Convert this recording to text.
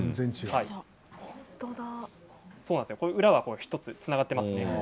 裏は１つにつながっていますね。